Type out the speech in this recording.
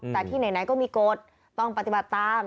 แต่ที่ไหนก็มีกฎต้องปฏิบัติตาม